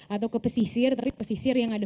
atau ke pesisir tapi pesisir yang ada